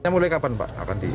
mulai kapan pak